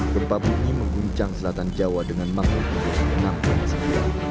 gempa bumi mengguncang selatan jawa dengan magnitudo enam sembilan